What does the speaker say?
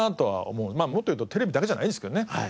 もっと言うとテレビだけじゃないんですけどね。